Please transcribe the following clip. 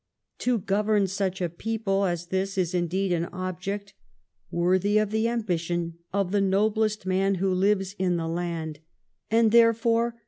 To govern such a people as this is indeed an object worthy of the ambition of the noblest man who lives in the land ; and there FALMEE8T0N AND THE COURT.